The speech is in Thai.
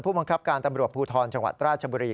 บังคับการตำรวจภูทรจังหวัดราชบุรี